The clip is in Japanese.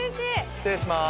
失礼します。